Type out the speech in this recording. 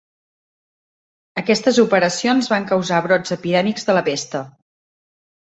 Aquestes operacions van causar brots epidèmics de la pesta.